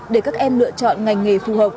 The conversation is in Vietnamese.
để các em lựa chọn ngành nghề phù hợp